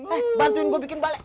eh bantuin gue bikin balek